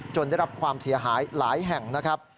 ได้รับความเสียหายหลายแห่งนะครับ